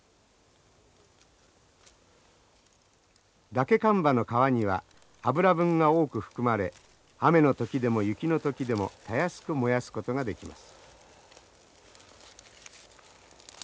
ダケカンバの皮には油分が多く含まれ雨の時でも雪の時でもたやすく燃やすことができます。